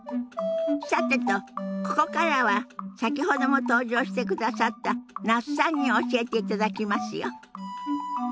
さてとここからは先ほども登場してくださった那須さんに教えていただきますよ。